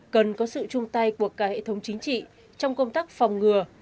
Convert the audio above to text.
cần có sự chung tay của cả hệ thống chính trị trong công tác phòng ngừa